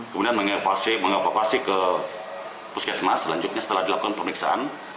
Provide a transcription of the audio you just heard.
kemudian mengevakuasi ke puskesmas selanjutnya setelah dilakukan pemeriksaan